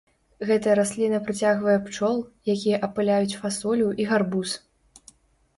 Гэта расліна прыцягвае пчол, якія апыляюць фасолю і гарбуз.